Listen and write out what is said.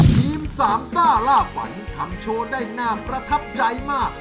ทีมสามซ่าล่าฝันทำโชว์ได้น่าประทับใจมาก